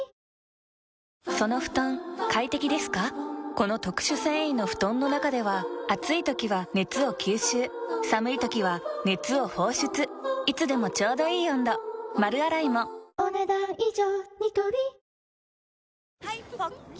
この特殊繊維の布団の中では暑い時は熱を吸収寒い時は熱を放出いつでもちょうどいい温度丸洗いもお、ねだん以上。